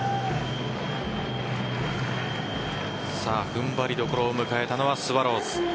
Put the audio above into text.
踏ん張りどころを迎えたのはスワローズ。